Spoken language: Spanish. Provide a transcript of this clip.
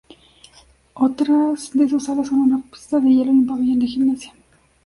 Otras de sus salas son una pista de hielo y un pabellón de gimnasia.